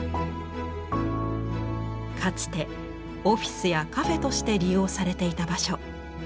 かつてオフィスやカフェとして利用されていた場所。